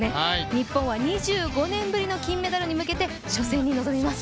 日本は２５年ぶりのメダルをかけて初戦に臨みます。